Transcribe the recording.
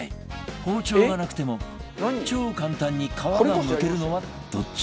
包丁がなくても超簡単に皮がむけるのはどっち？